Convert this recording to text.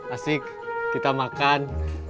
asik kita makan